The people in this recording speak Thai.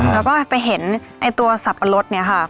แล้วก็ไปเห็นไอ้ตัวสับปะรดเนี่ยค่ะ